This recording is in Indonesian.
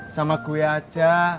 sama gue aja